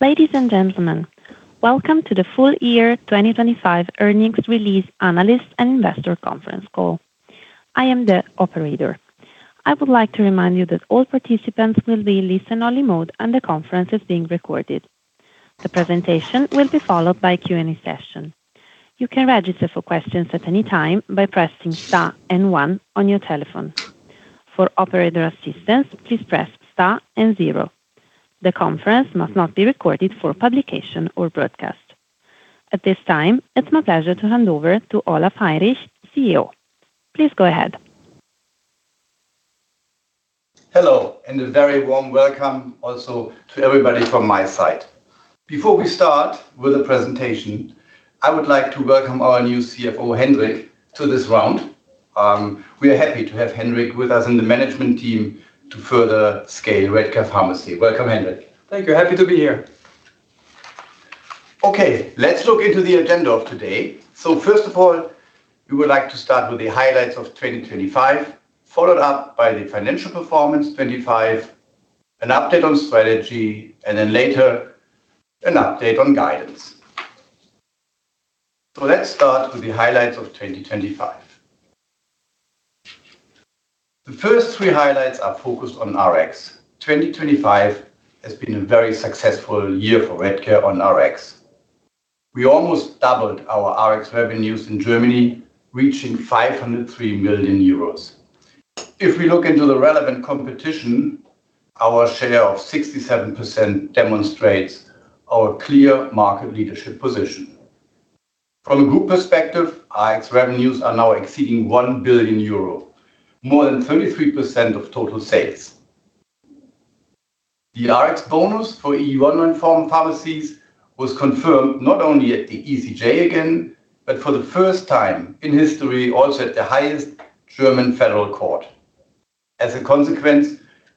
Ladies and gentlemen, welcome to the full year 2025 earnings release analyst and investor conference call. I am the operator. I would like to remind you that all participants will be in listen-only mode, and the conference is being recorded. The presentation will be followed by a Q&A session. You can register for questions at any time by pressing star and one on your telephone. For operator assistance, please press star and zero. The conference must not be recorded for publication or broadcast. At this time, it's my pleasure to hand over to Olaf Heinrich, CEO. Please go ahead. Hello, a very warm welcome also to everybody from my side. Before we start with the presentation, I would like to welcome our new CFO, Hendrik, to this round. We are happy to have Hendrik with us in the management team to further scale Redcare Pharmacy. Welcome, Hendrik. Thank you. Happy to be here. Okay. Let's look into the agenda of today. First of all, we would like to start with the highlights of 2025, followed up by the financial performance 2025, an update on strategy, later an update on guidance. Let's start with the highlights of 2025. The first three highlights are focused on Rx. 2025 has been a very successful year for Redcare on Rx. We almost doubled our Rx revenues in Germany, reaching 503 million euros. If we look into the relevant competition, our share of 67% demonstrates our clear market leadership position. From a group perspective, Rx revenues are now exceeding 1 billion euro, more than 33% of total sales. The Rx bonus for EU online form pharmacies was confirmed not only at the ECJ again, but for the first time in history, also at the highest German Federal Court.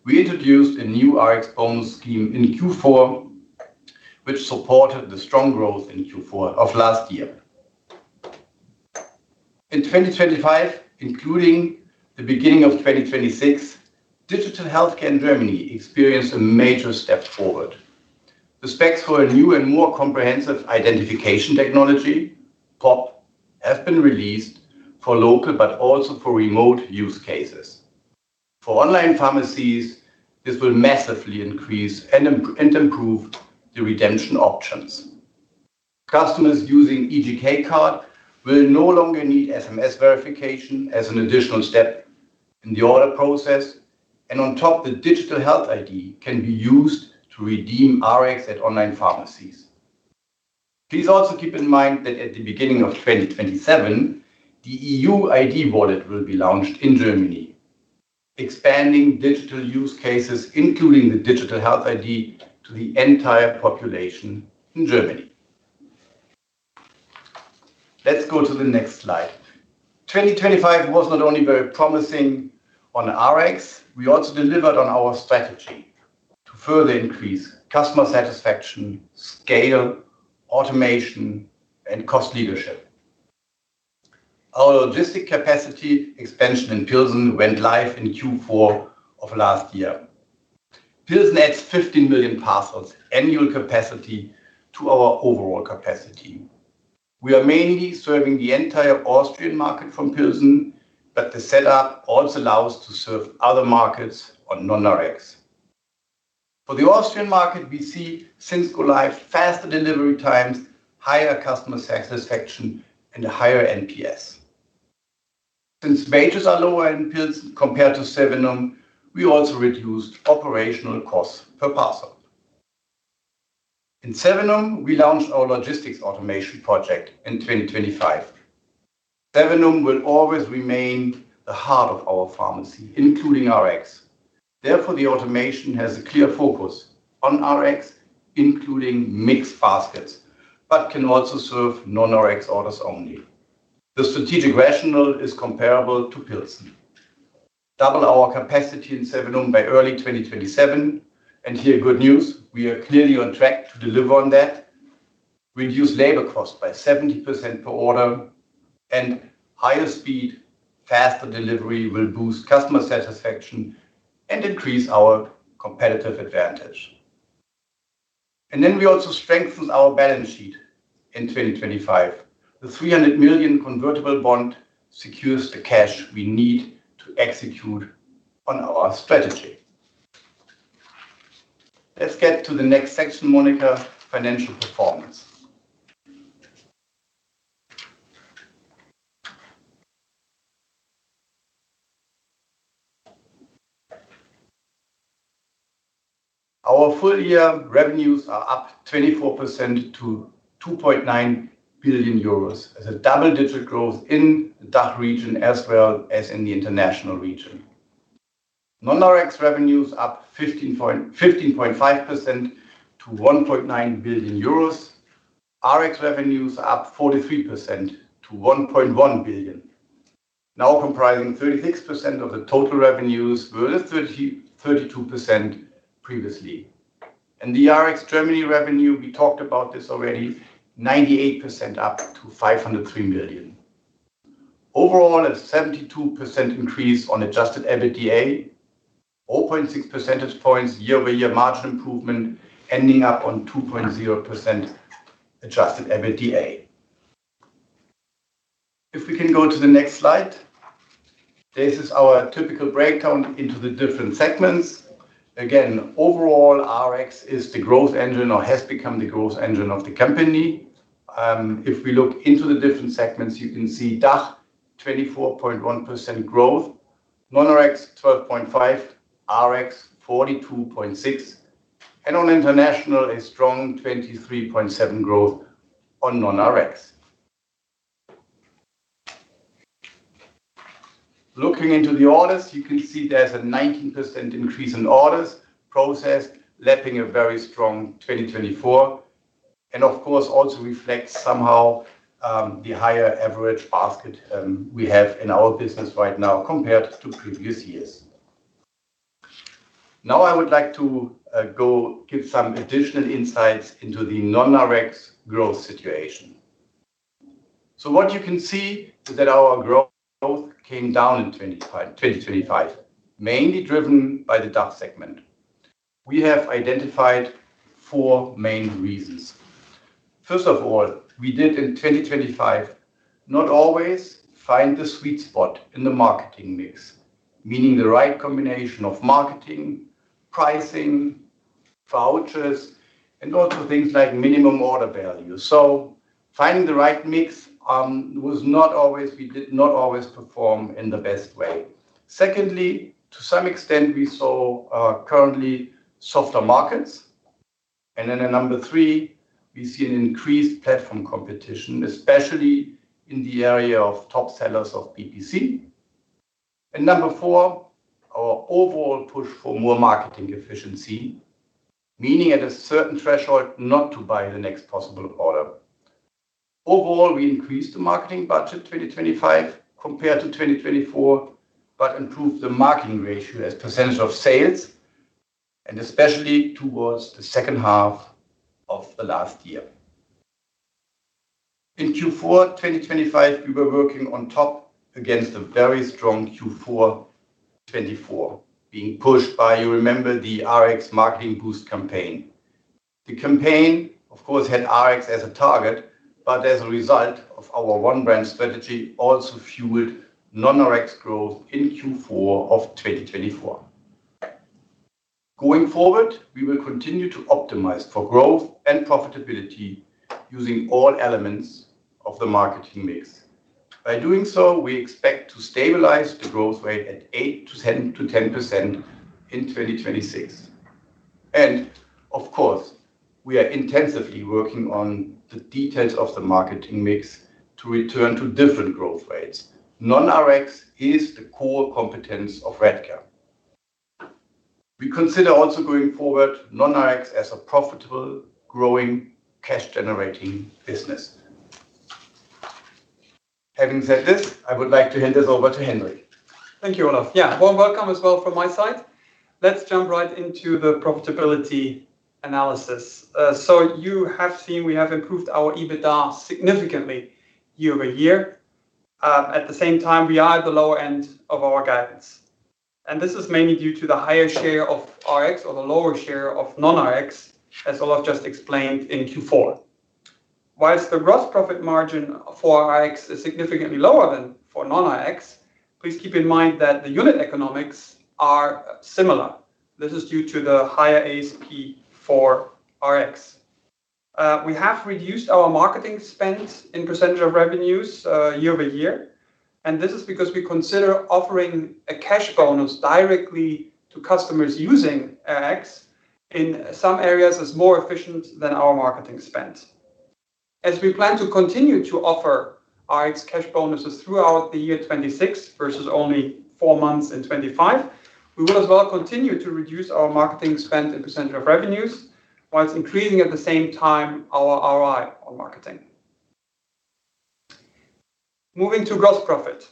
We introduced a new Rx bonus scheme in Q4, which supported the strong growth in Q4 of last year. In 2025, including the beginning of 2026, digital health care in Germany experienced a major step forward. The specs for a new and more comprehensive identification technology, PoPP, have been released for local but also for remote use cases. For online pharmacies, this will massively increase and improve the redemption options. Customers using eGK card will no longer need SMS verification as an additional step in the order process. On top, the digital Health ID can be used to redeem Rx at online pharmacies. Please also keep in mind that at the beginning of 2027, the EUDI Wallet will be launched in Germany, expanding digital use cases, including the digital Health ID, to the entire population in Germany. Let's go to the next slide. 2025 was not only very promising on Rx, we also delivered on our strategy to further increase customer satisfaction, scale, automation and cost leadership. Our logistic capacity expansion in Pilsen went live in Q4 of last year. Pilsen adds 15 million parcels annual capacity to our overall capacity. We are mainly serving the entire Austrian market from Pilsen, but the setup also allows to serve other markets on non-Rx. For the Austrian market, we see, since go live, faster delivery times, higher customer satisfaction, and a higher NPS. Since wages are lower in Pilsen compared to Sevenum, we also reduced operational costs per parcel. In Sevenum, we launched our logistics automation project in 2025. Sevenum will always remain the heart of our pharmacy, including Rx. Therefore, the automation has a clear focus on Rx, including mixed baskets, but can also serve non-Rx orders only. The strategic rationale is comparable to Pilsen. Double our capacity in Sevenum by early 2027. Here, good news, we are clearly on track to deliver on that. Reduce labor costs by 70% per order. Higher speed, faster delivery will boost customer satisfaction and increase our competitive advantage. We also strengthened our balance sheet in 2025. The 300 million convertible bond secures the cash we need to execute on our strategy. Let's get to the next section, Monica. Financial performance. Our full year revenues are up 24% to 2.9 billion euros as a double-digit growth in DACH region as well as in the international region. Non-Rx revenues up 15.5% to 1.9 billion euros. Rx revenues up 43% to 1.1 billion, now comprising 36% of the total revenues versus 32% previously. The Rx Germany revenue, we talked about this already, 98% up to 503 million. Overall, a 72% increase on adjusted EBITDA. 0.6 percentage points year-over-year margin improvement, ending up on 2.0% adjusted EBITDA. If we can go to the next slide. This is our typical breakdown into the different segments. Again, overall, Rx is the growth engine or has become the growth engine of the company. If we look into the different segments, you can see DACH 24.1% growth. Non-Rx, 12.5%. Rx, 42.6%. On International, a strong 23.7% growth on non-Rx. Looking into the orders, you can see there's a 19% increase in orders processed, lapping a very strong 2024, and of course, also reflects somehow the higher average basket we have in our business right now compared to previous years. I would like to give some additional insights into the non-Rx growth situation. What you can see is that our growth both came down in 2025, mainly driven by the DACH segment. We have identified four main reasons. First of all, we did in 2025 not always find the sweet spot in the marketing mix, meaning the right combination of marketing, pricing, vouchers, and also things like minimum order value. Finding the right mix was not always. We did not always perform in the best way. Secondly, to some extent, we saw currently softer markets. At number three, we see an increased platform competition, especially in the area of top sellers of PPC. Number four, our overall push for more marketing efficiency, meaning at a certain threshold, not to buy the next possible order. We increased the marketing budget 2025 compared to 2024, but improved the marketing ratio as percentage of sales, and especially towards the second half of the last year. In Q4 2025, we were working on top against a very strong Q4 2024 being pushed by, you remember, the Rx marketing boost campaign. The campaign, of course, had Rx as a target, but as a result of our one brand strategy, also fueled non-Rx growth in Q4 of 2024. Going forward, we will continue to optimize for growth and profitability using all elements of the marketing mix. By doing so, we expect to stabilize the growth rate at 8%-10% in 2026. Of course, we are intensively working on the details of the marketing mix to return to different growth rates. Non-Rx is the core competence of Redcare. We consider also going forward non-Rx as a profitable, growing, cash-generating business. Having said this, I would like to hand this over to Hendrik. Thank you, Olaf. Well, welcome as well from my side. Let's jump right into the profitability analysis. So you have seen we have improved our EBITDA significantly year-over-year. At the same time, we are at the lower end of our guidance, and this is mainly due to the higher share of Rx or the lower share of non-Rx, as Olaf just explained in Q4. The gross profit margin for Rx is significantly lower than for non-Rx, please keep in mind that the unit economics are similar. This is due to the higher ASP for Rx. We have reduced our marketing spends in percentage of revenues year-over-year, and this is because we consider offering a cash bonus directly to customers using Rx in some areas as more efficient than our marketing spend. As we plan to continue to offer Rx cash bonuses throughout the year 2026 versus only four months in 2025, we will as well continue to reduce our marketing spend in percentage of revenues while increasing at the same time our ROI on marketing. Moving to gross profit.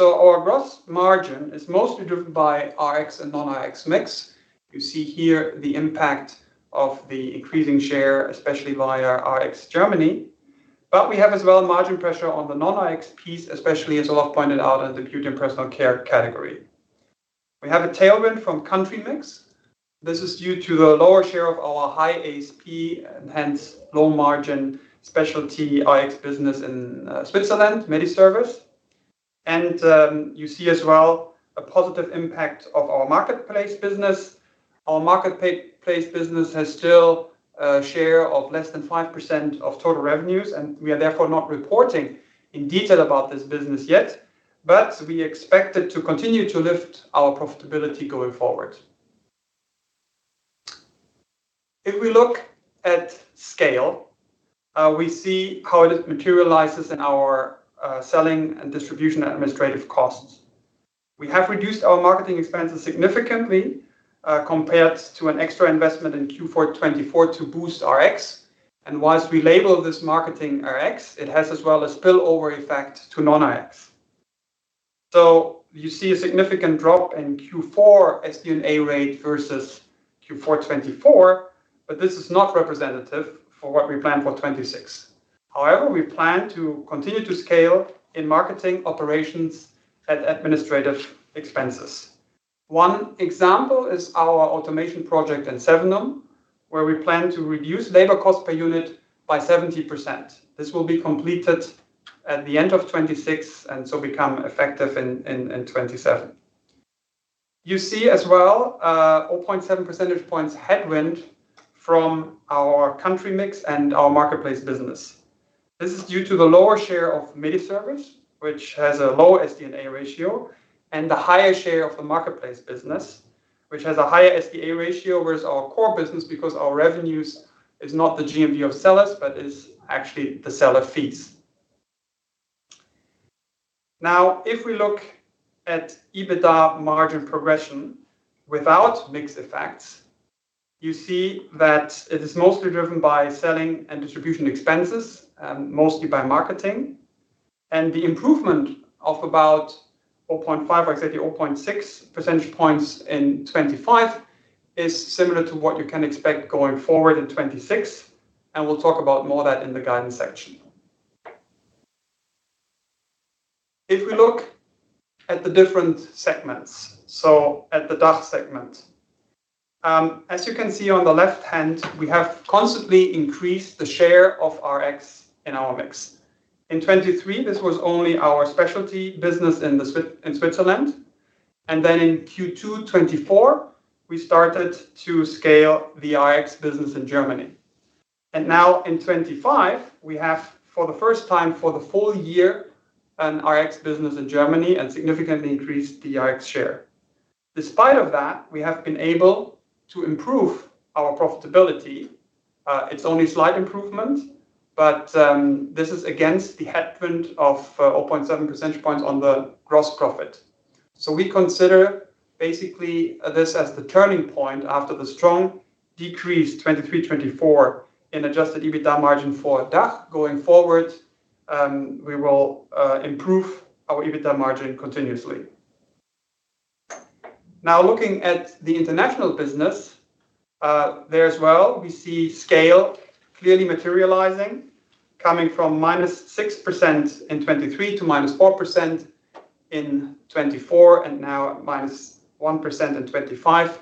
Our gross margin is mostly driven by Rx and non-Rx mix. You see here the impact of the increasing share, especially via Rx Germany. We have as well margin pressure on the non-Rx piece, especially as Olaf pointed out in the beauty and personal care category. We have a tailwind from country mix. This is due to the lower share of our high ASP, and hence low margin specialty Rx business in Switzerland MediService. You see as well a positive impact of our marketplace business. Our marketplace business has still a share of less than 5% of total revenues, and we are therefore not reporting in detail about this business yet, but we expect it to continue to lift our profitability going forward. If we look at scale, we see how it materializes in our selling and distribution administrative costs. We have reduced our marketing expenses significantly, compared to an extra investment in Q4 2024 to boost Rx. Whilst we label this marketing Rx, it has as well a spillover effect to non-Rx. You see a significant drop in Q4 SD&A rate versus Q4 2024, but this is not representative for what we plan for 2026. We plan to continue to scale in marketing operations and administrative expenses. One example is our automation project in Sevenum, where we plan to reduce labor costs per unit by 70%. This will be completed at the end of 2026 become effective in 2027. You see as well, 0.7 percentage points headwind from our country mix and our marketplace business. This is due to the lower share of MediService, which has a lower SD&A ratio, and the higher share of the marketplace business, which has a higher SD&A ratio versus our core business because our revenues is not the GMV of sellers, but is actually the seller fees. If we look at EBITDA margin progression without mix effects, you see that it is mostly driven by selling and distribution expenses, mostly by marketing. The improvement of about 0.5 or exactly 0.6 percentage points in 2025 is similar to what you can expect going forward in 2026, we'll talk about more of that in the guidance section. If we look at the different segments, at the DACH segment. As you can see on the left hand, we have constantly increased the share of Rx in our mix. In 2023, this was only our specialty business in Switzerland. In Q2 2024, we started to scale the Rx business in Germany. In 2025, we have, for the first time for the full year, an Rx business in Germany and significantly increased the Rx share. Despite of that, we have been able to improve our profitability. It's only slight improvement, but this is against the headwind of 0.7 percentage points on the gross profit. We consider basically this as the turning point after the strong decrease 2023, 2024 in adjusted EBITDA margin for DACH. Going forward, we will improve our EBITDA margin continuously. Now, looking at the International business, there as well, we see scale clearly materializing, coming from -6% in 2023 to -4% in 2024, now -1% in 2025.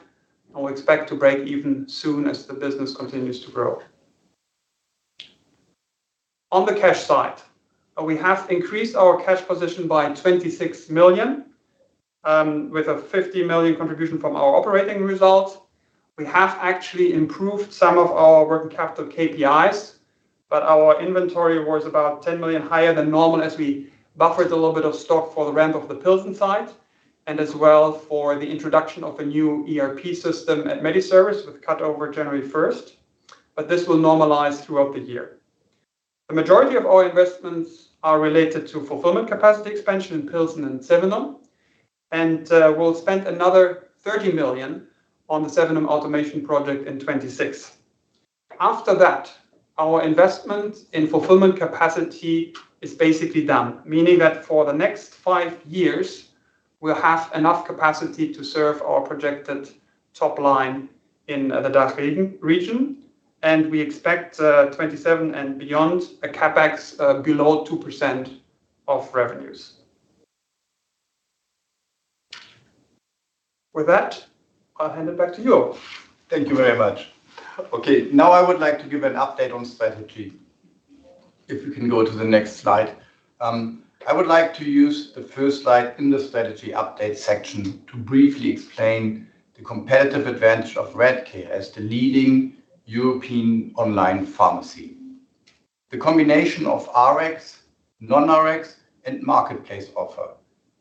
We expect to break even soon as the business continues to grow. On the cash side, we have increased our cash position by 26 million, with a 50 million contribution from our operating results. We have actually improved some of our working capital KPIs, Our inventory was about 10 million higher than normal as we buffered a little bit of stock for the ramp of the Pilsen site, and as well for the introduction of a new ERP system at MediService with cut over January 1st. This will normalize throughout the year. The majority of our investments are related to fulfillment capacity expansion in Pilsen and Sevenum. We'll spend another 30 million on the Sevenum automation project in 2026. After that, our investment in fulfillment capacity is basically done, meaning that for the next five years, we'll have enough capacity to serve our projected top line in the DACH region. We expect 2027 and beyond a CapEx below 2% of revenues. With that, I'll hand it back to Olaf. Thank you very much. Now I would like to give an update on strategy. If you can go to the next slide. I would like to use the first slide in the strategy update section to briefly explain the competitive advantage of Redcare as the leading European online pharmacy. The combination of Rx, non-Rx, and marketplace offer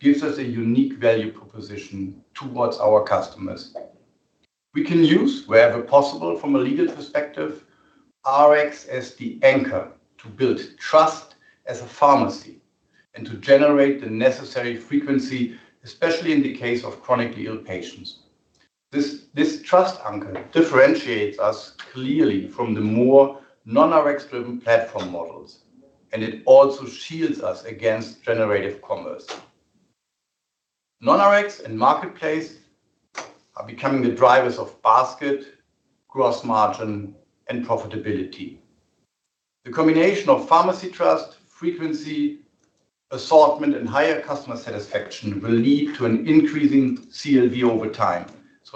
gives us a unique value proposition towards our customers. We can use, wherever possible from a legal perspective, Rx as the anchor to build trust as a pharmacy and to generate the necessary frequency, especially in the case of chronically ill patients. This trust anchor differentiates us clearly from the more non-Rx-driven platform models, and it also shields us against generative commerce. Non-Rx and marketplace are becoming the drivers of basket, gross margin, and profitability. The combination of pharmacy trust, frequency, assortment, and higher customer satisfaction will lead to an increasing CLV over time.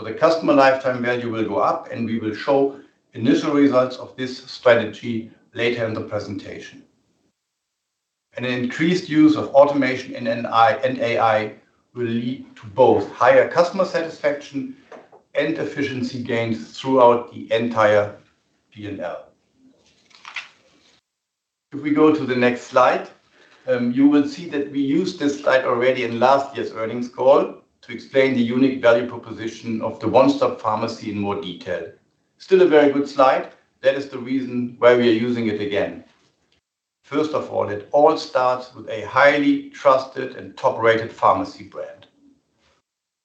The customer lifetime value will go up, and we will show initial results of this strategy later in the presentation. An increased use of automation and AI will lead to both higher customer satisfaction and efficiency gains throughout the entire P&L. If we go to the next slide, you will see that we used this slide already in last year's earnings call to explain the unique value proposition of the one-stop pharmacy in more detail. Still a very good slide. That is the reason why we are using it again. First of all, it all starts with a highly trusted and top-rated pharmacy brand.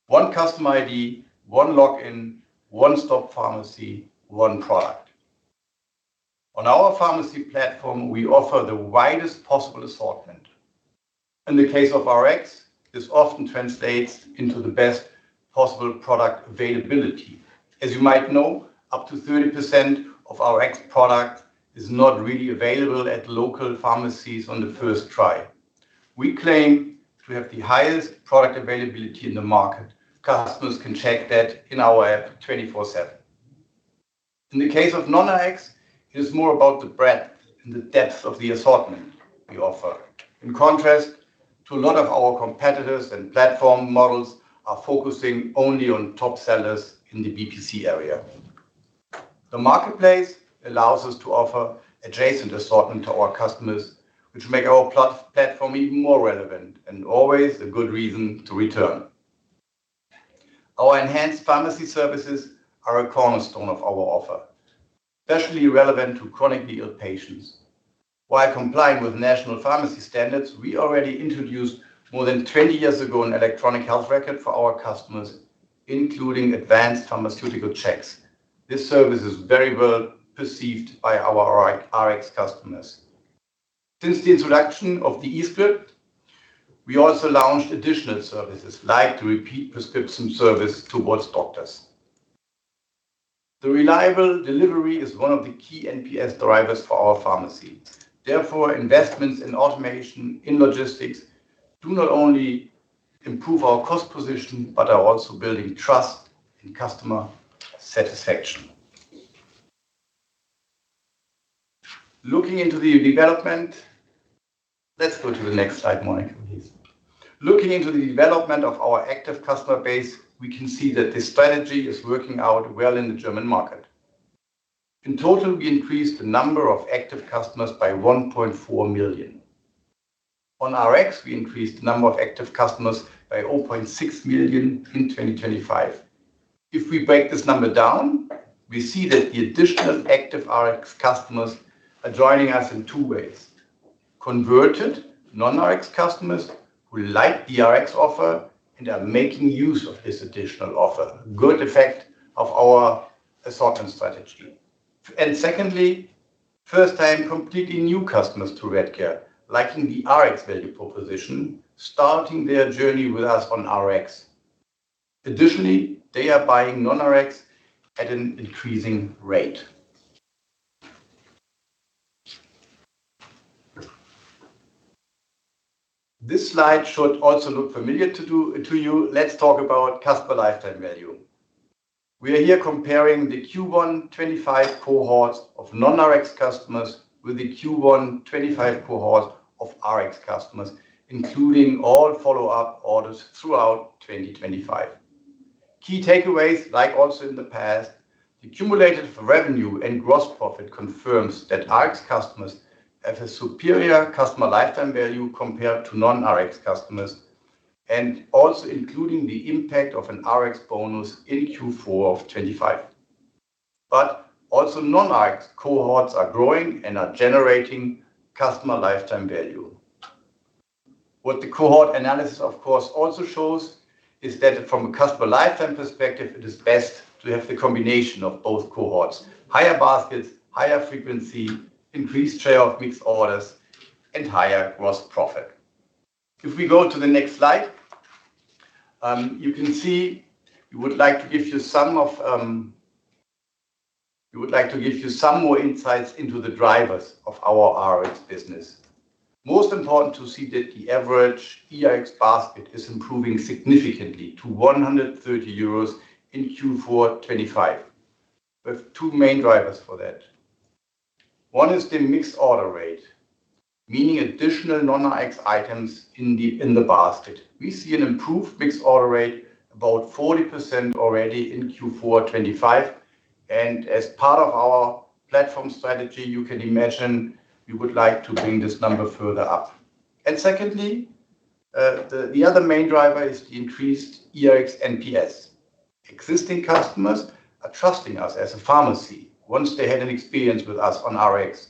One customer ID, one login, one-stop pharmacy, one product. On our pharmacy platform, we offer the widest possible assortment. In the case of Rx, this often translates into the best possible product availability. As you might know, up to 30% of Rx product is not really available at local pharmacies on the first try. We claim to have the highest product availability in the market. Customers can check that in our app 24/7. In the case of non-Rx, it is more about the breadth and the depth of the assortment we offer. In contrast to a lot of our competitors and platform models are focusing only on top sellers in the BPC area. The marketplace allows us to offer adjacent assortment to our customers, which make our platform even more relevant and always a good reason to return. Our enhanced pharmacy services are a cornerstone of our offer, especially relevant to chronically ill patients. While complying with national pharmacy standards, we already introduced more than 20 years ago an electronic health record for our customers, including advanced pharmaceutical checks. This service is very well perceived by our Rx customers. Since the introduction of the e-script, we also launched additional services, like the repeat prescription service towards doctors. The reliable delivery is one of the key NPS drivers for our pharmacy. Investments in automation in logistics do not only improve our cost position, but are also building trust and customer satisfaction. Let's go to the next slide, Monica, please. Looking into the development of our active customer base, we can see that this strategy is working out well in the German market. In total, we increased the number of active customers by 1.4 million. On Rx, we increased the number of active customers by 0.6 million in 2025. If we break this number down, we see that the additional active Rx customers are joining us in two ways. Converted non-Rx customers who like the Rx offer and are making use of this additional offer. Good effect of our assortment strategy. Secondly, first time completely new customers to Redcare liking the Rx value proposition, starting their journey with us on Rx. Additionally, they are buying non-Rx at an increasing rate. This slide should also look familiar to you. Let's talk about customer lifetime value. We are here comparing the Q1 2025 cohorts of non-Rx customers with the Q1 2025 cohort of Rx customers, including all follow-up orders throughout 2025. Key takeaways, like also in the past, the cumulative revenue and gross profit confirms that Rx customers have a superior customer lifetime value compared to non-Rx customers, and also including the impact of an Rx bonus in Q4 25. Also non-Rx cohorts are growing and are generating customer lifetime value. What the cohort analysis of course also shows is that from a customer lifetime perspective, it is best to have the combination of both cohorts. Higher baskets, higher frequency, increased trade-off mixed orders, and higher gross profit. We would like to give you some more insights into the drivers of our Rx business. Most important to see that the average Rx basket is improving significantly to 130 euros in Q4 2025. We have two main drivers for that. One is the mixed order rate, meaning additional non-Rx items in the basket. We see an improved mixed order rate, about 40% already in Q4 2025. As part of our platform strategy, you can imagine we would like to bring this number further up. Secondly, the other main driver is the increased Rx NPS. Existing customers are trusting us as a pharmacy once they had an experience with us on Rx.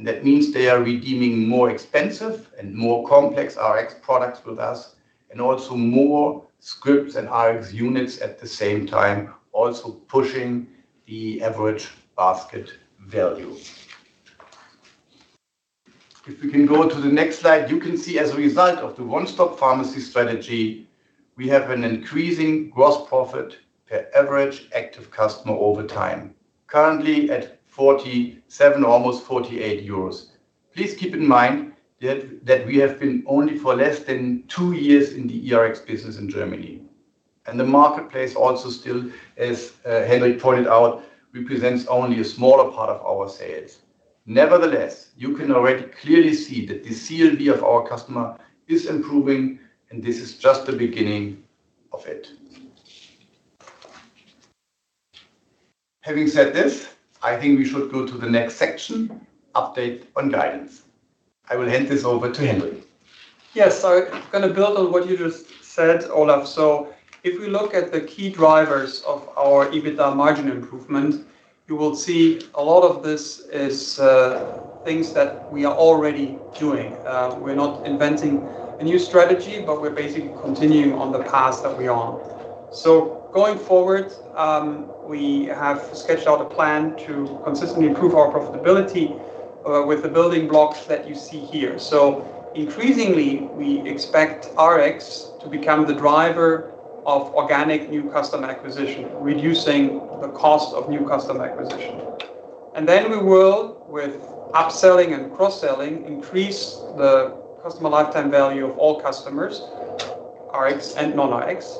That means they are redeeming more expensive and more complex Rx products with us and also more scripts and Rx units at the same time, also pushing the average basket value. If we can go to the next slide, you can see as a result of the one-stop pharmacy strategy, we have an increasing gross profit per average active customer over time, currently at 47, almost 48 euros. Please keep in mind that we have been only for less than two years in the Rx business in Germany. The marketplace also still, as Hendrik pointed out, represents only a smaller part of our sales. Nevertheless, you can already clearly see that the CLV of our customer is improving, and this is just the beginning of it. Having said this, I think we should go to the next section, update on guidance. I will hand this over to Hendrik. Yes. Gonna build on what you just said, Olaf. If we look at the key drivers of our EBITDA margin improvement, you will see a lot of this is things that we are already doing. We're not inventing a new strategy, but we're basically continuing on the path that we're on. Going forward, we have sketched out a plan to consistently improve our profitability with the building blocks that you see here. Increasingly, we expect Rx to become the driver of organic new customer acquisition, reducing the cost of new customer acquisition. We will, with upselling and cross-selling, increase the customer lifetime value of all customers, Rx and non-Rx.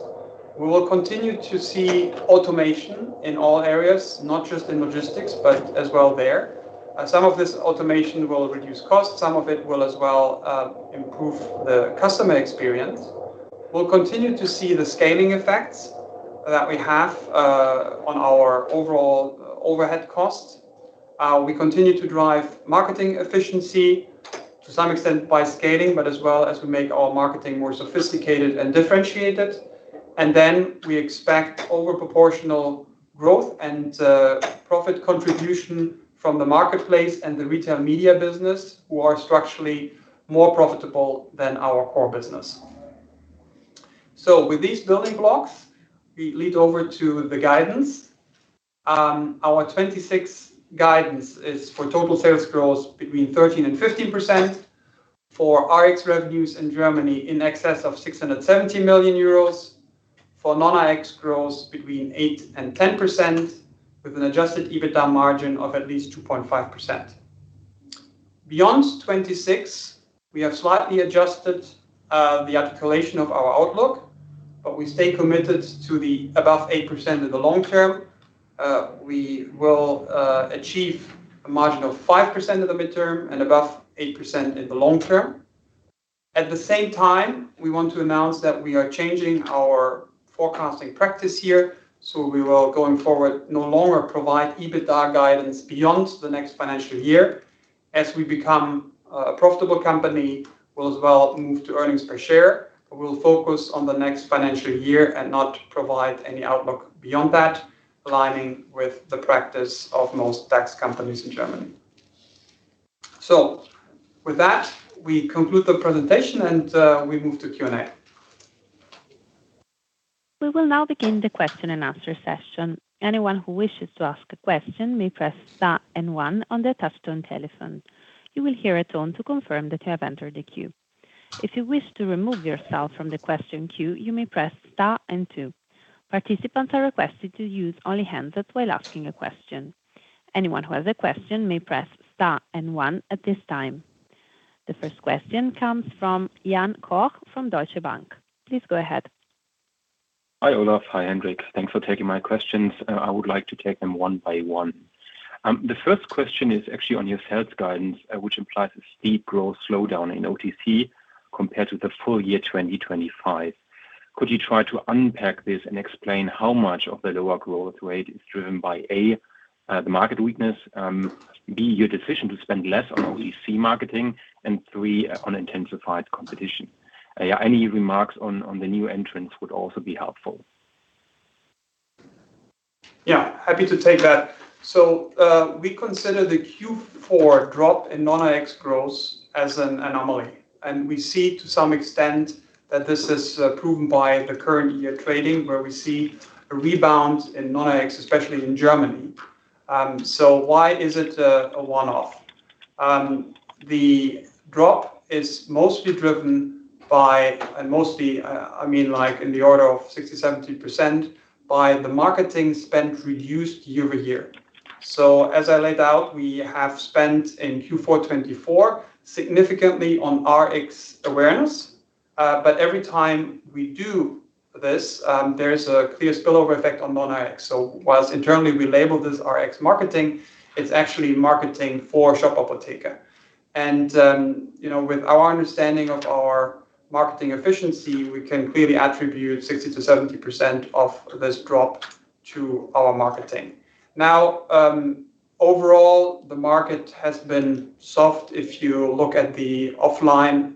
We will continue to see automation in all areas, not just in logistics, but as well there. Some of this automation will reduce costs, some of it will as well improve the customer experience. We'll continue to see the scaling effects that we have on our overall overhead costs. We continue to drive marketing efficiency to some extent by scaling, but as well as we make our marketing more sophisticated and differentiated. We expect over proportional growth and profit contribution from the marketplace and the retail media business, who are structurally more profitable than our core business. With these building blocks, we lead over to the guidance. Our 2026 guidance is for total sales growth between 13% and 15%. For Rx revenues in Germany in excess of 670 million euros. For non-Rx growth between 8% and 10% with an adjusted EBITDA margin of at least 2.5%. Beyond 2026, we have slightly adjusted the articulation of our outlook, but we stay committed to the above 8% in the long term. We will achieve a margin of 5% in the midterm and above 8% in the long term. At the same time, we want to announce that we are changing our forecasting practice here. We will, going forward, no longer provide EBITDA guidance beyond the next financial year. As we become a profitable company, we'll as well move to earnings per share. We'll focus on the next financial year and not provide any outlook beyond that, aligning with the practice of most tax companies in Germany. With that, we conclude the presentation, and we move to Q&A. We will now begin the question-and-answer session. Anyone who wishes to ask a question may press star and one on their touchtone telephone. You will hear a tone to confirm that you have entered the queue. If you wish to remove yourself from the question queue, you may press star and two. Participants are requested to use only hands up while asking a question. Anyone who has a question may press star and one at this time. The first question comes from Jan Koch from Deutsche Bank. Please go ahead. Hi, Olaf. Hi, Hendrik. Thanks for taking my questions. I would like to take them one by one. The first question is actually on your sales guidance, which implies a steep growth slowdown in OTC compared to the full year 2025. Could you try to unpack this and explain how much of the lower growth rate is driven by, A, the market weakness? B, your decision to spend less on OTC marketing, and three, on intensified competition. Yeah, any remarks on the new entrants would also be helpful. Yeah, happy to take that. We consider the Q4 drop in non-Rx growth as an anomaly, and we see to some extent that this is proven by the current year trading, where we see a rebound in non-Rx, especially in Germany. Why is it a one-off? The drop is mostly driven by, and mostly, I mean, like in the order of 60%, 70%, by the marketing spend reduced year-over-year. As I laid out, we have spent in Q4 2024 significantly on Rx awareness. Every time we do this, there is a clear spillover effect on non-Rx. Whilst internally we label this Rx marketing, it's actually marketing for Shop Apotheke. You know, with our understanding of our marketing efficiency, we can clearly attribute 60%-70% of this drop to our marketing. Overall, the market has been soft. If you look at the offline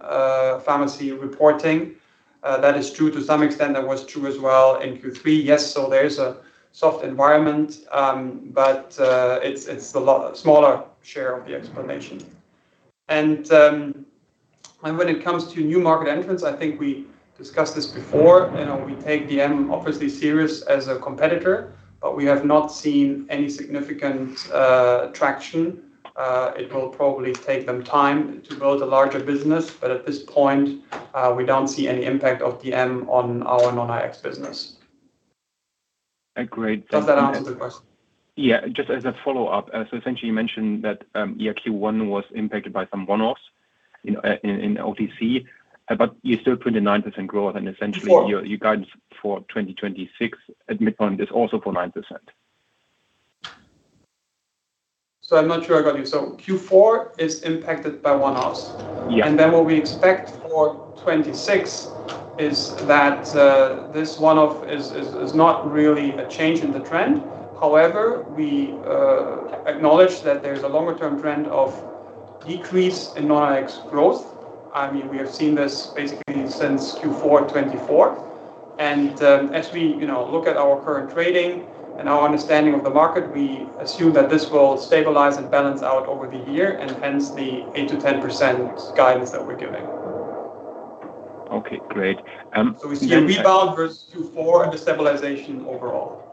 pharmacy reporting, that is true to some extent. That was true as well in Q3. Yes, there is a soft environment, but it's a lot smaller share of the explanation. When it comes to new market entrants, I think we discussed this before. You know, we take dm obviously serious as a competitor, but we have not seen any significant traction. It will probably take them time to build a larger business, but at this point, we don't see any impact of dm on our non-Rx business. Agreed. Does that answer the question? Yeah. Just as a follow-up. Essentially you mentioned that, Q1 was impacted by some one-offs in OTC, you're still 29% growth. Q4. Your guidance for 2026 at midpoint is also for 9%. I'm not sure I got you. Q4 is impacted by one-offs. Yeah. What we expect for 2026 is that this one-off is not really a change in the trend. However, we acknowledge that there's a longer term trend of decrease in non-Rx growth. I mean, we have seen this basically since Q4 2024. As we, you know, look at our current trading and our understanding of the market, we assume that this will stabilize and balance out over the year and hence the 8%-10% guidance that we're giving. Okay, great. We see a rebound versus Q4 and a stabilization overall.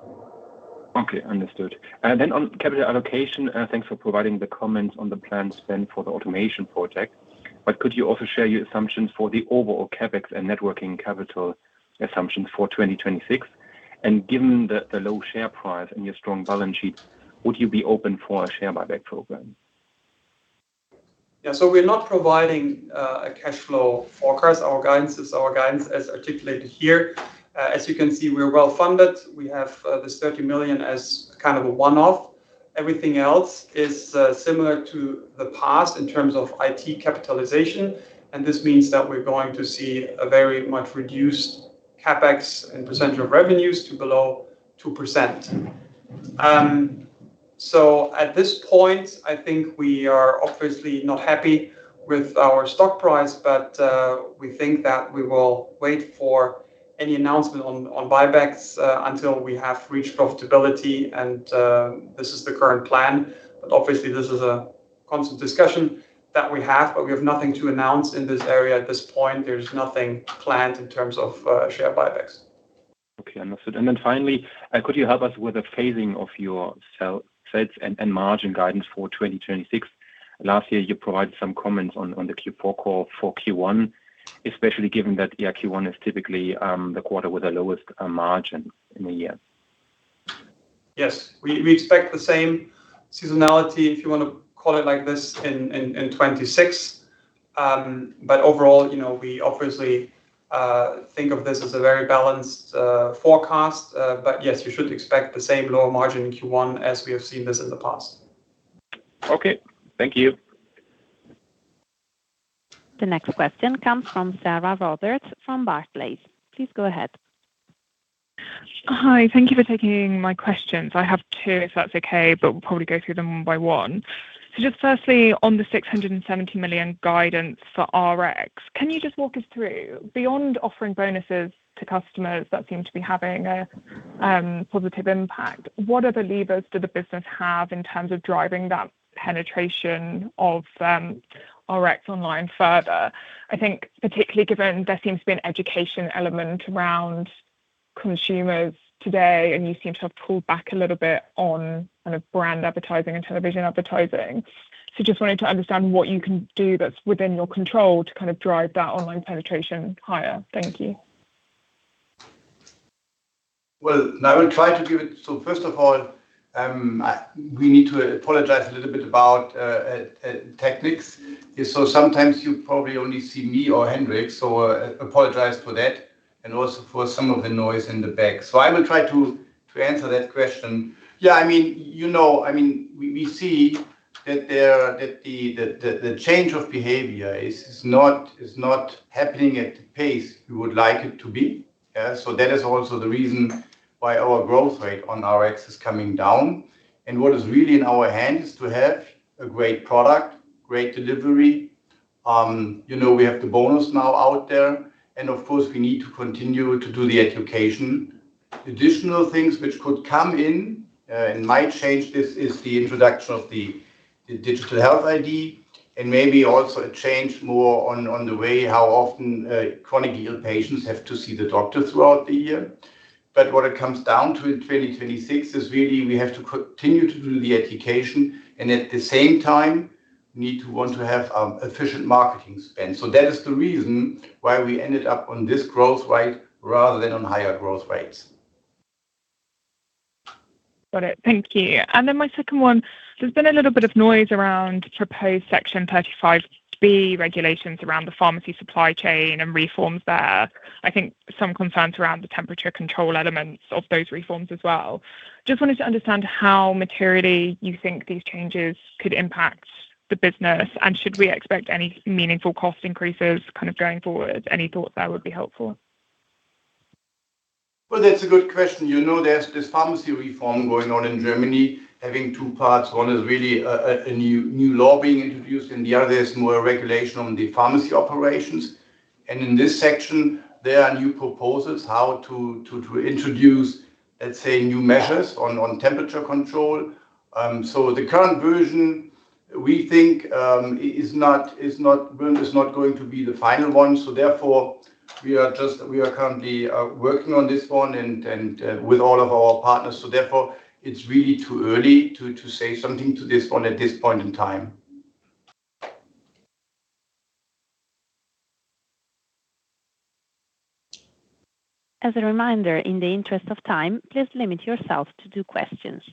Okay. Understood. Then on capital allocation, Thanks for providing the comments on the planned spend for the automation project. Could you also share your assumptions for the overall CapEx and networking capital assumptions for 2026? Given the low share price and your strong balance sheet, would you be open for a share buyback program? Yeah. We're not providing a cash flow forecast. Our guidance is our guidance as articulated here. As you can see, we're well-funded. We have this 30 million as kind of a one-off. Everything else is similar to the past in terms of IT capitalization, and this means that we're going to see a very much reduced CapEx in percentage of revenues to below 2%. At this point, I think we are obviously not happy with our stock price, but we think that we will wait for any announcement on buybacks until we have reached profitability, and this is the current plan. Obviously, this is a constant discussion that we have, but we have nothing to announce in this area at this point. There's nothing planned in terms of share buybacks. Okay. Understood. Then finally, could you help us with the phasing of your sales and margin guidance for 2026? Last year, you provided some comments on the Q4 call for Q1, especially given that Q1 is typically the quarter with the lowest margin in the year. Yes. We expect the same seasonality, if you wanna call it like this, in 2026. Overall, you know, we obviously think of this as a very balanced forecast. Yes, you should expect the same lower margin in Q1 as we have seen this in the past. Okay. Thank you. The next question comes from Sarah Roberts from Barclays. Please go ahead. Hi. Thank you for taking my questions. I have two, if that's okay. We'll probably go through them one by one. Just firstly, on the 670 million guidance for Rx, can you just walk us through beyond offering bonuses to customers that seem to be having a positive impact, what other levers do the business have in terms of driving that penetration of Rx online further? I think particularly given there seems to be an education element around consumers today, you seem to have pulled back a little bit on kind of brand advertising and television advertising. Just wanted to understand what you can do that's within your control to kind of drive that online penetration higher. Thank you. Well, I will try to give it. First of all, we need to apologize a little bit about techniques. Sometimes you probably only see me or Hendrik, so I apologize for that and also for some of the noise in the back. I will try to answer that question. Yeah, I mean, you know, I mean, we see that the change of behavior is not happening at the pace we would like it to be. That is also the reason why our growth rate on Rx is coming down. What is really in our hands is to have a great product, great delivery. You know, we have the bonus now out there, of course, we need to continue to do the education. Additional things which could come in and might change this is the introduction of the digital Health ID and maybe also a change more on the way how often chronic ill patients have to see the doctor throughout the year. What it comes down to in 2026 is really we have to continue to do the education and at the same time need to want to have efficient marketing spend. That is the reason why we ended up on this growth rate rather than on higher growth rates. Got it. Thank you. My second one, there's been a little bit of noise around proposed Section 35b regulations around the pharmacy supply chain and reforms there. I think some concerns around the temperature control elements of those reforms as well. Just wanted to understand how materially you think these changes could impact the business, and should we expect any meaningful cost increases kind of going forward? Any thoughts there would be helpful. Well, that's a good question. You know, there's this pharmacy reform going on in Germany, having two parts. One is really a new law being introduced, and the other is more regulation on the pharmacy operations. In this section, there are new proposals how to introduce, let's say, new measures on temperature control. Therefore, the current version, we think, is not going to be the final one. Therefore, we are currently working on this one and with all of our partners. Therefore, it's really too early to say something to this one at this point in time. As a reminder, in the interest of time, please limit yourself to two questions.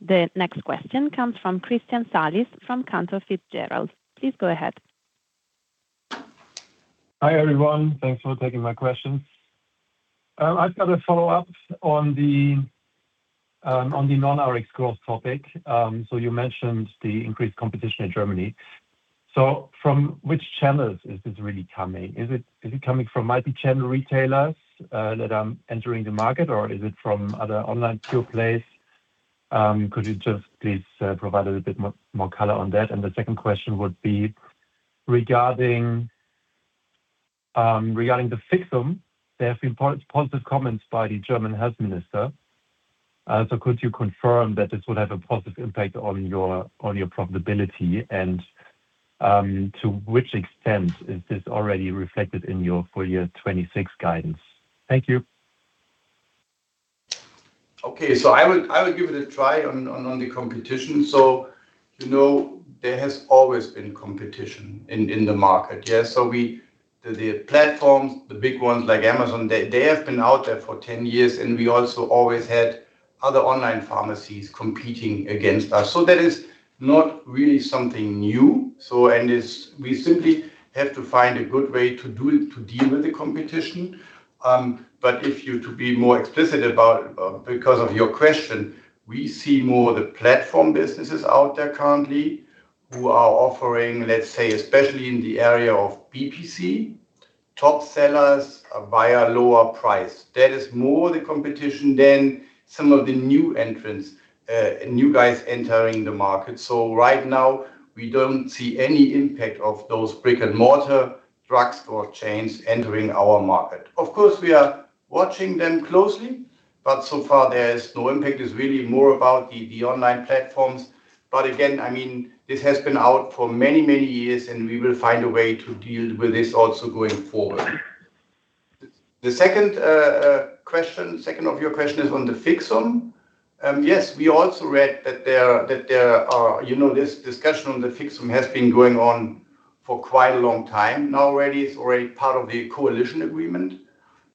The next question comes from Christian Salis from Cantor Fitzgerald. Please go ahead. Hi, everyone. Thanks for taking my questions. I've got a follow-up on the on the non-Rx growth topic. You mentioned the increased competition in Germany. From which channels is this really coming? Is it coming from multi-channel retailers that are entering the market, or is it from other online pure plays? Could you just please provide a little bit more color on that? The second question would be regarding the Fixum. There have been positive comments by the German health minister. Could you confirm that this will have a positive impact on your profitability? To which extent is this already reflected in your full year 2026 guidance? Thank you. Okay. I would give it a try on the competition. You know, there has always been competition in the market. The platforms, the big ones like Amazon, they have been out there for 10 years, and we also always had other online pharmacies competing against us. That is not really something new. We simply have to find a good way to do it to deal with the competition. If you to be more explicit about because of your question, we see more the platform businesses out there currently who are offering, let's say, especially in the area of BPC, top sellers via lower price. That is more the competition than some of the new entrants and new guys entering the market. Right now we don't see any impact of those brick-and-mortar drugstore chains entering our market. Of course, we are watching them closely, but so far there is no impact. It's really more about the online platforms. Again, I mean, this has been out for many, many years, and we will find a way to deal with this also going forward. The second of your question is on the Fixum. Yes, we also read that there are. You know, this discussion on the Fixum has been going on for quite a long time now already. It's already part of the coalition agreement.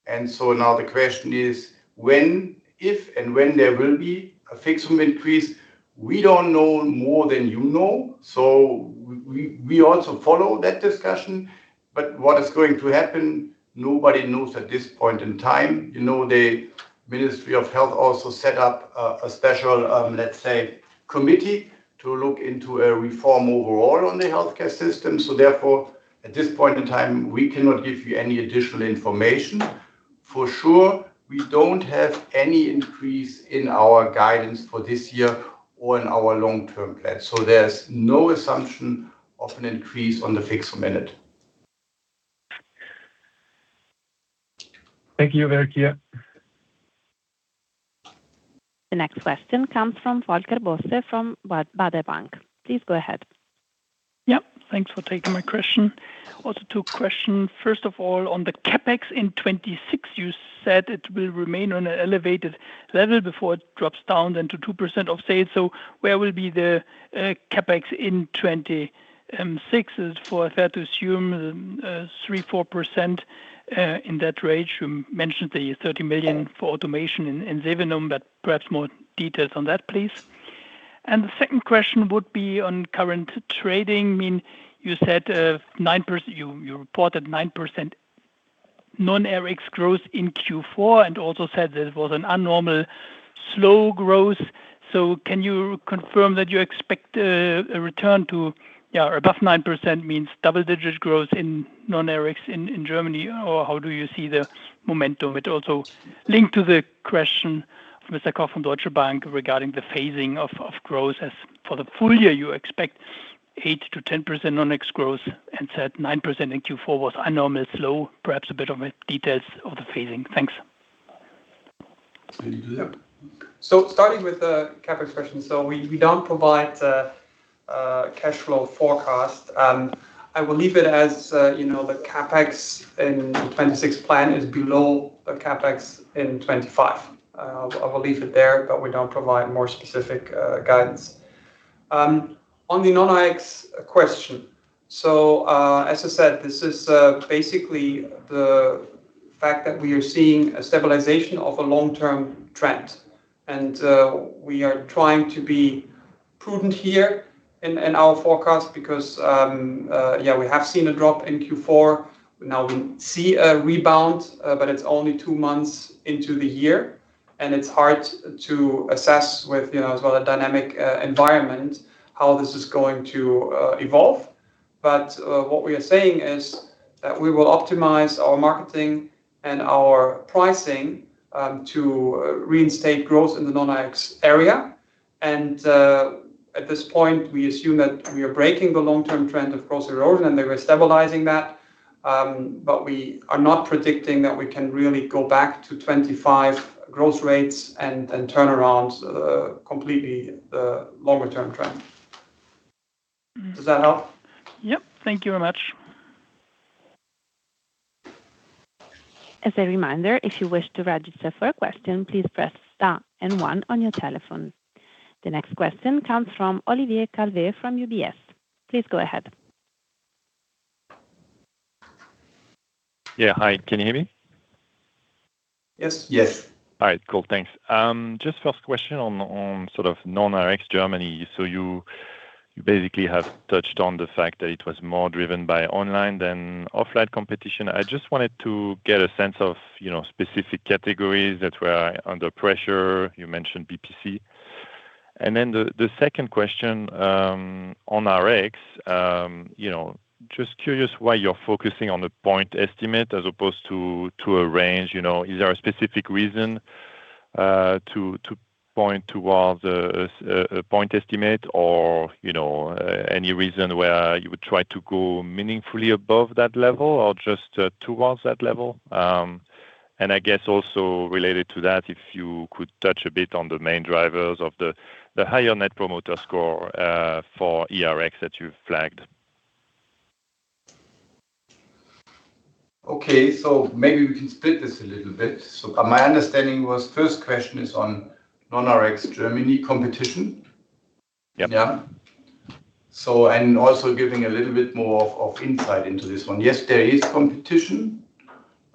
Now the question is when, if and when there will be a Fixum increase. We don't know more than you know, so we also follow that discussion. What is going to happen, nobody knows at this point in time. You know, the Ministry of Health also set up a special, let's say, committee to look into a reform overall on the healthcare system. Therefore, at this point in time, we cannot give you any additional information. For sure, we don't have any increase in our guidance for this year or in our long-term plan. There's no assumption of an increase on the Fixum minute. Thank you. Very clear. The next question comes from Volker Bosse from Baader Bank. Please go ahead. Thanks for taking my question. two question. First of all, on the CapEx in 2026, you said it will remain on an elevated level before it drops down then to 2% of sales. Where will be the CapEx in 2026? Is it fair to assume 3%-4% in that range? You mentioned the 30 million for automation in Sevenum, perhaps more details on that, please. The second question would be on current trading. I mean, you reported 9% non-Rx growth in Q4 and also said that it was an unnormal slow growth. Can you confirm that you expect a return to, yeah, above 9%, means double-digit growth in non-Rx in Germany? How do you see the momentum? It also linked to the question from Jan Koch from Deutsche Bank regarding the phasing of growth. As for the full year, you expect 8%-10% non-Rx growth and said 9% in Q4 was unnormally slow. Perhaps a bit of details of the phasing. Thanks. Can you do that? Yep. Starting with the CapEx question. We don't provide cash flow forecast. I will leave it as, you know, the CapEx in 2026 plan is below the CapEx in 2025. I will leave it there, we don't provide more specific guidance. On the non-Rx question. As I said, this is basically the fact that we are seeing a stabilization of a long-term trend. We are trying to be prudent here in our forecast because, yeah, we have seen a drop in Q4. Now we see a rebound, it's only two months into the year, and it's hard to assess with, you know, as well, a dynamic environment, how this is going to evolve. What we are saying is that we will optimize our marketing and our pricing to reinstate growth in the non-Rx area. At this point, we assume that we are breaking the long-term trend of growth erosion, and we are stabilizing that. We are not predicting that we can really go back to 2025 growth rates and turn around completely the longer-term trend. Does that help? Yep. Thank you very much. As a reminder, if you wish to register for a question, please press star and one on your telephone. The next question comes from Olivier Calvet from UBS. Please go ahead. Yeah. Hi. Can you hear me? Yes. Yes. All right. Cool. Thanks. Just first question on sort of non-Rx Germany. You basically have touched on the fact that it was more driven by online than offline competition. I just wanted to get a sense of, you know, specific categories that were under pressure. You mentioned BPC. The second question on Rx, you know, just curious why you're focusing on the point estimate as opposed to a range, you know? Is there a specific reason to point towards a point estimate or, you know, any reason why you would try to go meaningfully above that level or just towards that level? I guess also related to that, if you could touch a bit on the main drivers of the higher net promoter score for eRx that you've flagged. Okay. Maybe we can split this a little bit. My understanding was first question is on non-Rx Germany competition. Yep. Also giving a little bit more of insight into this one. Yes, there is competition.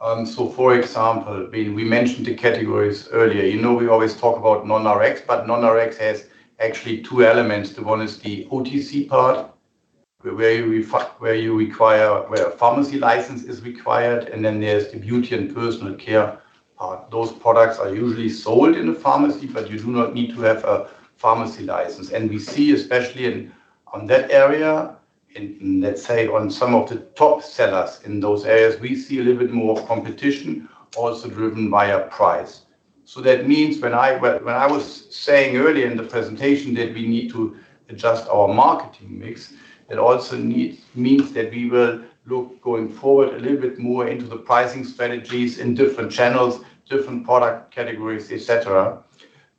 For example, we mentioned the categories earlier. You know, we always talk about non-Rx, but non-Rx has actually two elements. The one is the OTC part, where a pharmacy license is required, and then there's the beauty and personal care part. Those products are usually sold in a pharmacy, but you do not need to have a pharmacy license. We see, especially in that area, let's say, on some of the top sellers in those areas, we see a little bit more competition also driven via price. That means when I was saying earlier in the presentation that we need to adjust our marketing mix, it also means that we will look going forward a little bit more into the pricing strategies in different channels, different product categories, et cetera.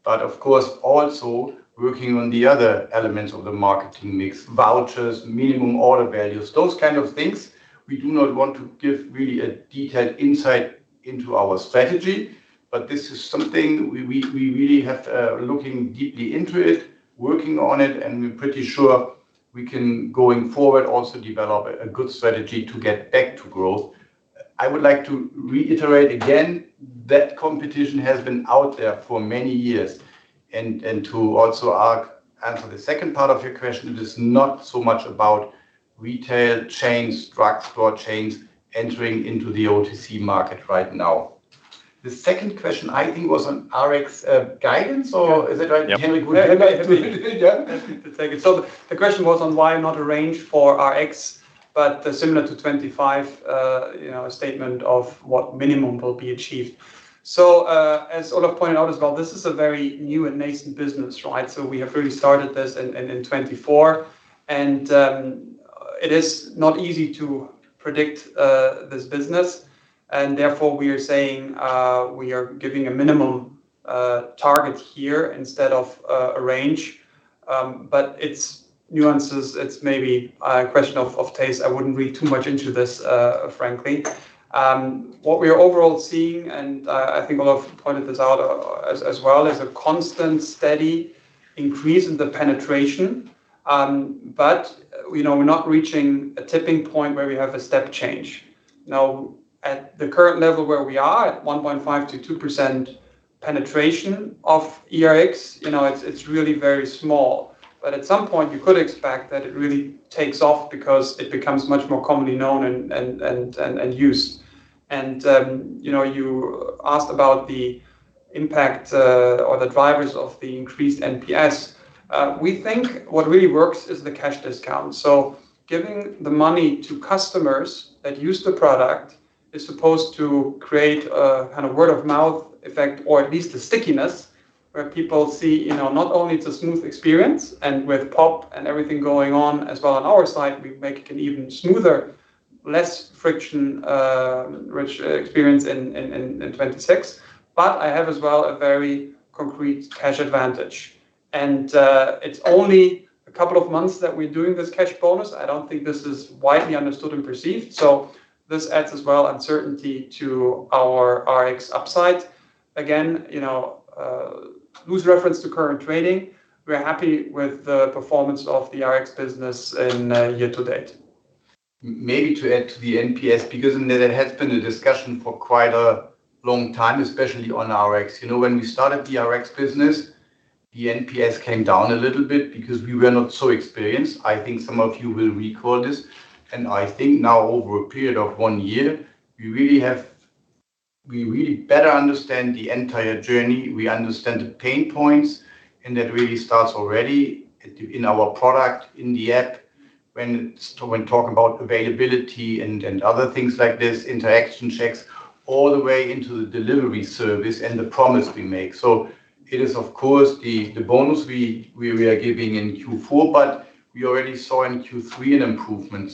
But of course, also working on the other elements of the marketing mix, vouchers, minimum order values, those kind of things. We do not want to give really a detailed insight into our strategy, but this is something we really have looking deeply into it, working on it, and we're pretty sure we can, going forward, also develop a good strategy to get back to growth. I would like to reiterate again that competition has been out there for many years. to also answer the second part of your question, it is not so much about retail chains, drugstore chains entering into the OTC market right now. The second question I think was on Rx guidance or is that right? Yep. Hendrik, would you like to- Happy to take it. The question was on why not a range for Rx, but similar to 2025, you know, a statement of what minimum will be achieved. As Olaf pointed out as well, this is a very new and nascent business, right? We have really started this in 2024. It is not easy to predict this business. Therefore, we are saying we are giving a minimum target here instead of a range. It's nuances. It's maybe a question of taste. I wouldn't read too much into this, frankly. What we are overall seeing, and I think Olaf pointed this out as well, is a constant steady increase in the penetration. You know, we're not reaching a tipping point where we have a step change. Now, at the current level where we are, at 1.5%-2% penetration of eRx, you know, it's really very small. At some point, you could expect that it really takes off because it becomes much more commonly known and used. You know, you asked about the impact or the drivers of the increased NPS. We think what really works is the cash discount. Giving the money to customers that use the product is supposed to create a kind of word-of-mouth effect or at least a stickiness where people see, you know, not only it's a smooth experience and with PoPP and everything going on as well on our side, we make it even smoother, less friction, rich experience in 2026. I have as well a very concrete cash advantage. It's only a couple of months that we're doing this cash bonus. I don't think this is widely understood and perceived. This adds as well uncertainty to our Rx upside. Again, you know, loose reference to current trading. We're happy with the performance of the Rx business in year to date. Maybe to add to the NPS, because there has been a discussion for quite a long time, especially on Rx. You know, when we started the Rx business, the NPS came down a little bit because we were not so experienced. I think some of you will recall this. I think now over a period of one year, we really better understand the entire journey. We understand the pain points, and that really starts already in our product, in the app, when talk about availability and other things like this, interaction checks, all the way into the delivery service and the promise we make. It is, of course, the bonus we are giving in Q4, but we already saw in Q3 an improvement.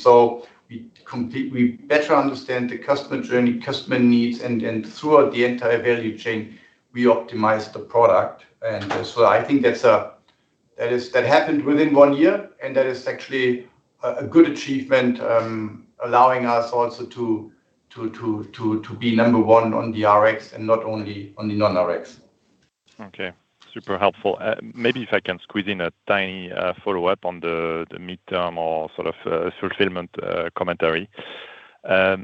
We better understand the customer journey, customer needs, and throughout the entire value chain, we optimize the product. I think that happened within one year, and that is actually a good achievement, allowing us also to be number one on the Rx and not only on the non-Rx. Okay. Super helpful. Maybe if I can squeeze in a tiny follow-up on the midterm or sort of fulfillment commentary.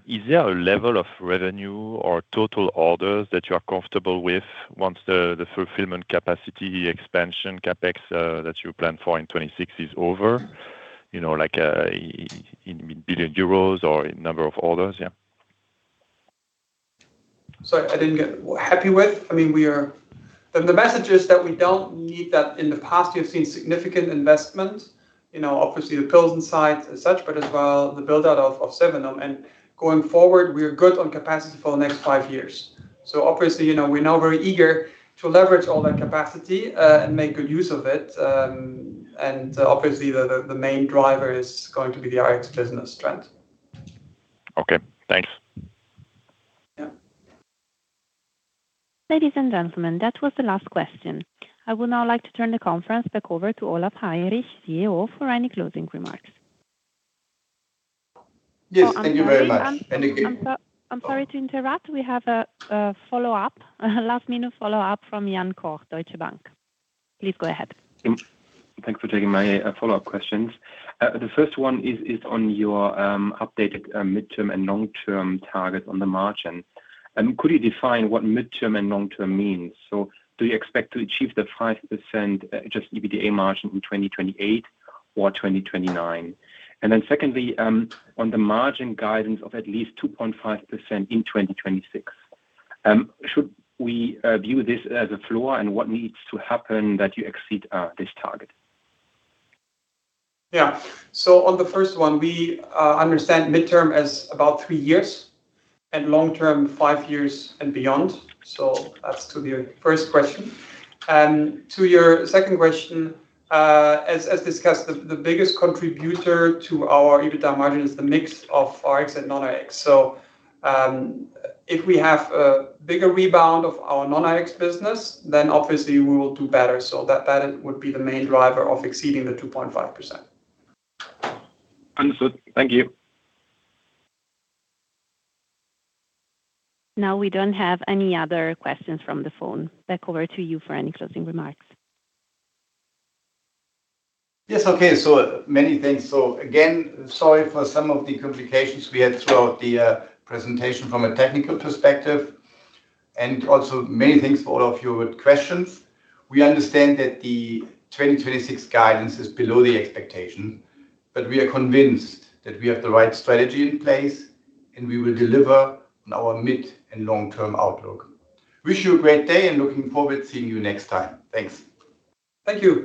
Is there a level of revenue or total orders that you are comfortable with once the fulfillment capacity expansion CapEx that you plan for in 2026 is over? You know, like, in billion euros or number of orders? Yeah. Happy with. I mean, the message is that we don't need that. In the past, we have seen significant investment, you know, obviously the Pilsen sites and such, but as well the build-out of Sevenum. Going forward, we are good on capacity for the next five years. Obviously, you know, we're now very eager to leverage all that capacity and make good use of it. Obviously the main driver is going to be the Rx business trend. Okay, thanks. Yeah. Ladies and gentlemen, that was the last question. I would now like to turn the conference back over to Olaf Heinrich, CEO, for any closing remarks. Yes. Thank you very much. I'm sorry to interrupt. We have a follow-up, last-minute follow-up from Jan Koch, Deutsche Bank. Please go ahead. Thanks for taking my follow-up questions. The first one is on your updated midterm and long-term target on the margin. Could you define what midterm and long-term means? Do you expect to achieve the 5% just EBITDA margin in 2028 or 2029? Secondly, on the margin guidance of at least 2.5% in 2026, should we view this as a floor, and what needs to happen that you exceed this target? Yeah. On the first one, we understand midterm as about three years, and long-term, five years and beyond. That's to your first question. To your second question, as discussed, the biggest contributor to our adjusted EBITDA margin is the mix of Rx and non-Rx. If we have a bigger rebound of our non-Rx business, then obviously we will do better. That would be the main driver of exceeding the 2.5%. Understood. Thank you. Now we don't have any other questions from the phone. Back over to you for any closing remarks. Yes. Okay. Many thanks. Again, sorry for some of the complications we had throughout the presentation from a technical perspective and also many thanks for all of your questions. We understand that the 2026 guidance is below the expectation, but we are convinced that we have the right strategy in place, and we will deliver on our mid- and long-term outlook. Wish you a great day, and looking forward to seeing you next time. Thanks. Thank you.